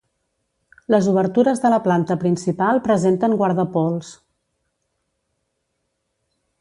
Les obertures de la planta principal presenten guardapols.